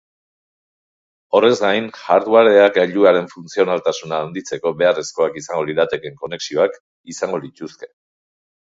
Horrez gain, hardwareak gailuaren funtzionaltasuna handitzeko beharrezkoak izango liratekeen konexioak izango lituzke.